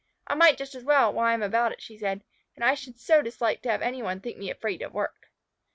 "I might just as well, while I am about it," she said. "And I should so dislike to have any one think me afraid of work."